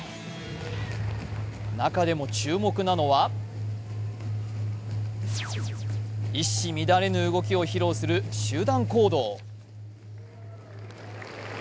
中でも注目なのは一糸乱れぬ動きを披露する集団行動。